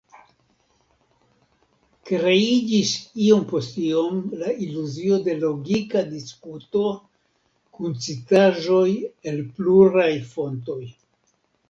Kreiĝis iom post iom la iluzio de logika diskuto kun citaĵoj el pluraj fontoj.